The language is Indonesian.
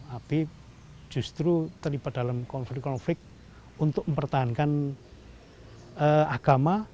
api justru terlibat dalam konflik konflik untuk mempertahankan agama